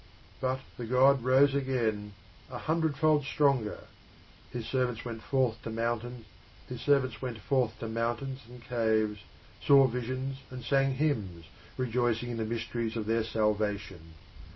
But the God rose again, a hundredfold stronger. His servants went forth to mountains and caves, saw visions and sang hymns, rejoicing in the mysteries of their salvation.